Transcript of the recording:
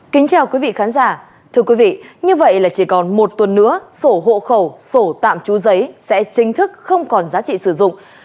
kính chào quý vị khán giả thưa quý vị như vậy là chỉ còn một tuần nữa sổ hộ khẩu sổ tạm trú giấy sẽ chính thức không còn giá trị sử dụng